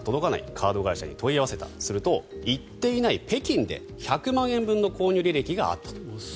カード会社に問い合わせるとすると、行っていない北京で１００万円分の購入履歴があったと。